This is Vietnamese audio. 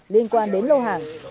liên quan đến lâu hàng